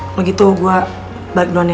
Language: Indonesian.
kalau gitu gue balik duluan ya